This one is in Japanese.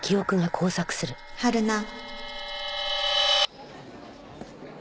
はるな。